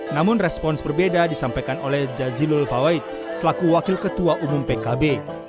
namun respons berbeda disampaikan oleh jazilul fawait selaku wakil ketua umum pkb